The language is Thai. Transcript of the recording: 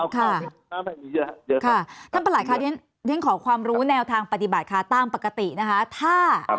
ครับท่านประหลาดครับยังขอความรู้แนวทางปฏิบาตคาร์ต้ามปกตินะครับ